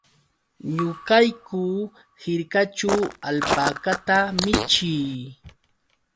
Ñuqayku hirkaćhu alpakata michii.